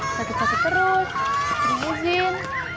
sakit sakit terus terlalu izin